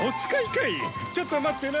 ちょっと待ってな。